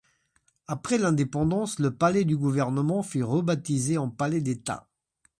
Après l'indépendance, le palais du Gouvernement fut rebaptisé en palais d'État.